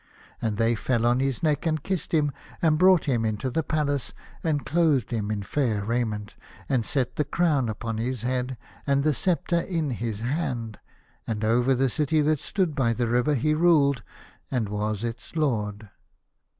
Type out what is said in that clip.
And they fell on his neck and kissed him, and brought him into the palace, and clothed him in fair raiment, and set the crown upon his head, and the sceptre in his hand, and over the city that stood by the river he ruled, and was its lord.